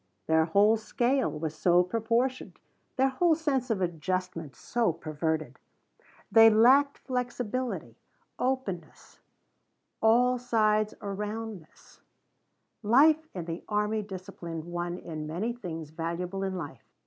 Their whole scale was so proportioned; their whole sense of adjustment so perverted. They lacked flexibility openness all sides aroundness. Life in the army disciplined one in many things valuable in life.